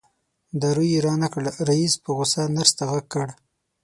دارو یې رانه کړل رئیس په غوسه نرس ته غږ کړ.